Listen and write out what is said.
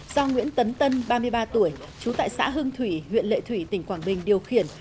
do nguyễn tấn tân ba mươi ba tuổi trú tại xã hưng thủy huyện lệ thủy tỉnh quảng bình điều khiển